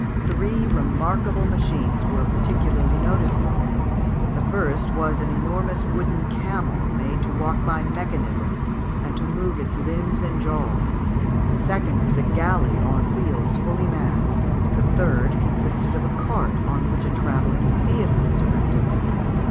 Three remarkable machines were particularly noticeable; the first was an enormous wooden camel made to walk by mechanism, and to move its limbs and jaws; the second was a galley on wheels fully manned; the third consisted of a cart on which a travelling theatre was erected.